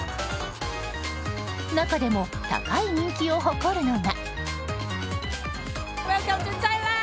中でも、高い人気を誇るのが。